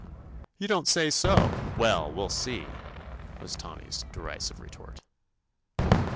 '' "You don't say sol Well, we'll see," was Tommy's derisive retort.